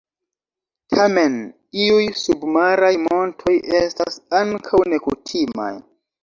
Tamen, iuj submaraj montoj estas ankaŭ nekutimaj.